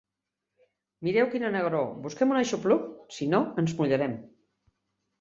Mireu quina negror: busquem un aixopluc; si no, ens mullarem.